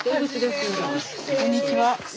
こんにちは。